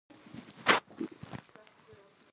د ښاریز مقام یا تابعیت څخه محروم یاست.